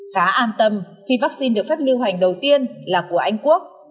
khá an tâm khi vắc xin được phép lưu hành đầu tiên là của anh quốc